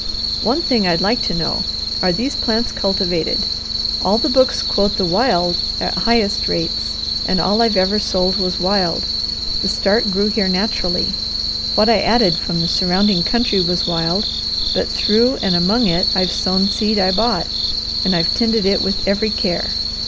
One thing I'd like to know: Are these plants cultivated? All the books quote the wild at highest rates and all I've ever sold was wild. The start grew here naturally. What I added from the surrounding country was wild, but through and among it I've sown seed I bought, and I've tended it with every care.